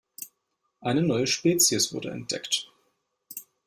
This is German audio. Eine neue Spezies wurde entdeckt.